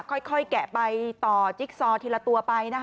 ค่อยแกะไปต่อจิกซอลทีละตัว